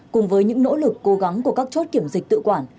cùng với những nỗ lực cố gắng của các chốt kiểm dịch tự quản